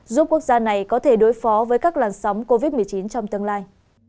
giúp quốc gia này có thể đối phó với các làn sóng covid một mươi chín trong tương lai